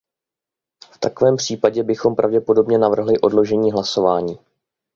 V takovém případě bychom pravděpodobně navrhli odložení hlasování.